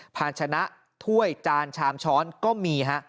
ภาชนะถ้วยจานชามช้อนก็มีฮะ